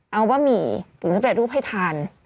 เอาวะหมี่หรือสำหรับลูกให้ทาน